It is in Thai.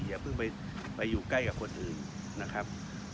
อย่าเพิ่งไปอยู่ใกล้กับคนอื่นนะครับ